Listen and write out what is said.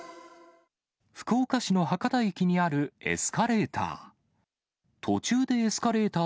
福岡市の博多駅にあるエスカレーター。